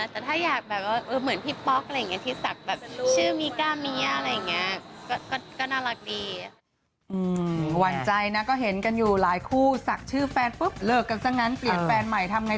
แต่ถ้าอยากแบบว่าเหมือนพี่ป๊อกที่ศักดิ์ชื่อมีก้าเมียอะไรอย่างนี้